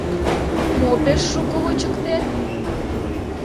Мо пеш шуко вучыктет?